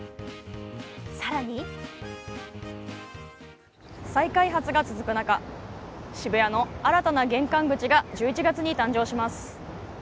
更に大竹か再開発が続く中、渋谷の新たな玄関口が１１月に誕生します。